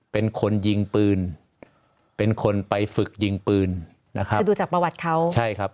เป็นคนยิงปืนเป็นคนไปฝึกยิงปืนนะครับคือดูจากประวัติเขาใช่ครับ